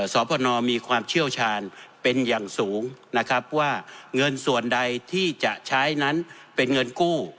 สพนมีความเชี่ยวชาญเป็นอย่างสูงนะครับว่าเงินส่วนใดที่จะใช้นั้นเป็นเงินกู้